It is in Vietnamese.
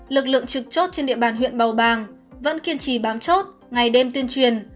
lực lượng trực chốt trên địa bàn huyện bào bàng vẫn kiên trì bám chốt ngày đêm tuyên truyền